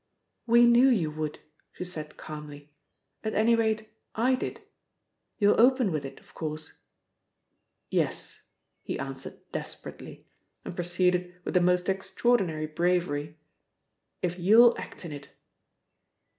"We knew you would," she said calmly. "At any rate I did.... You'll open with it of course." "Yes," he answered desperately, and proceeded, with the most extraordinary bravery: "If you'll act in it."